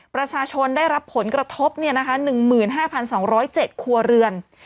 ประชาชนได้รับผลกระทบ๑๕๒๐๗ครัวเรือน